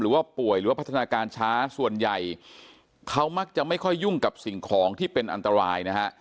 หรือว่าป่วยหรือว่าพัฒนาการช้าส่วนใหญ่เขามักจะไม่ค่อยยุ่งกับสิ่งของที่เป็นอันตรายนะฮะ